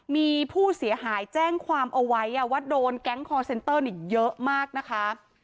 มีผู้เสียหายแจ้งความเอาไว้ว่าโดนแก๊งคอร์เซ็นเตอร์เยอะมากนะคะ